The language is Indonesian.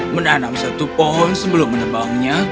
menanam satu pohon sebelum menebangnya